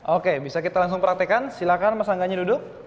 oke bisa kita langsung praktekkan silakan mas angganya duduk